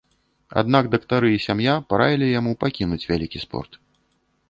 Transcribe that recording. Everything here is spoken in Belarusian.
Аднак дактары і сям'я параілі яму пакінуць вялікі спорт.